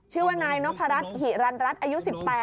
ชื่อว่านายนพรัชหิรันรัฐอายุ๑๘